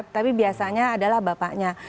tapi biasanya adalah bapaknya